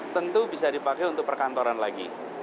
tentu bisa dipakai untuk perkantoran lagi